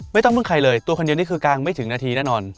ไม่ต้องพึ่งใครเลยตัวคนเดียวนี่คือกลางไม่ถึงนาทีแน่นอน